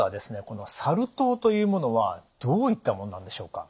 このサル痘というものはどういったものなんでしょうか？